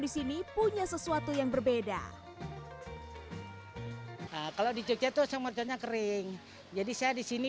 disini punya sesuatu yang berbeda kalau di jogja tuh sama tanya kering jadi saya disini